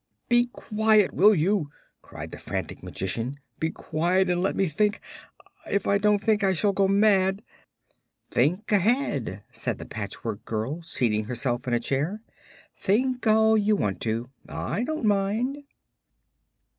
"Be quiet, will you?" cried the frantic Magician; "be quiet and let me think! If I don't think I shall go mad." "Think ahead," said the Patchwork Girl, seating herself in a chair. "Think all you want to. I don't mind."